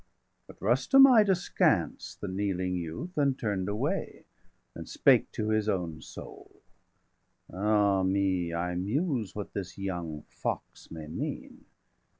°344 But Rustum eyed askance the kneeling youth, 345 And turn'd away, and spake to his own soul: "Ah me, I muse what this young fox may mean!